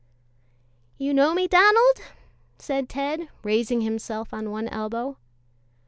"You know me, Donald?" said Ted, raising himself on one elbow.